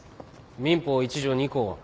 民法１条２項は？